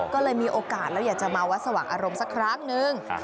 ก็เลยมีโอกาสแล้วอยากจะมาวัดสว่างอารมณ์สักครั้งนึง